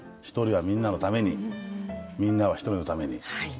「一人はみんなのためにみんなは一人のために」。